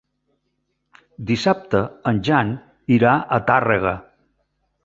Dissabte en Jan irà a Tàrrega.